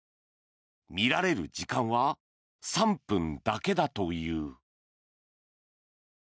見られる時間は３分だけだという。